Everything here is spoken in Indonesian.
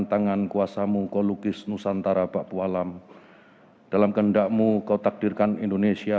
doa bersama dipimpin oleh menteri agama republik indonesia